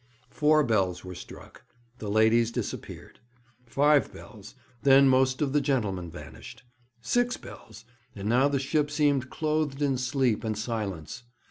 Four bells were struck. The ladies disappeared. Five bells then most of the gentlemen vanished. Six bells, and now the ship seemed clothed in sleep and silence.